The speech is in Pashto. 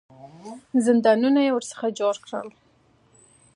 زندانونه یې ورڅخه جوړ کړل.